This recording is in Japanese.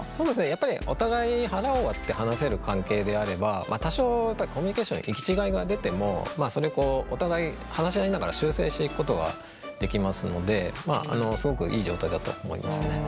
やっぱりお互い腹を割って話せる関係であれば多少コミュニケーションの行き違いが出てもそれをお互い話し合いながら修正していくことができますのですごくいい状態だと思いますね。